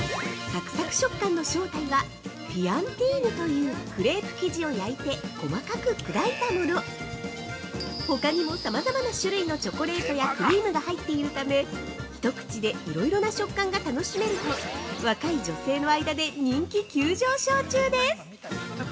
◆サクサク食感の正体はフィアンティーヌというクレープ生地を焼いて、細かく砕いたものほかにもさまざまな種類のチョコレートやクリームが入っているため一口で色々な食感が楽しめると若い女性の間で人気急上昇中です。